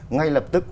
ngay lập tức